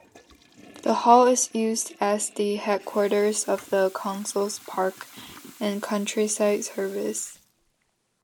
The hall is used as the headquarters of the council's Parks and Countryside Service.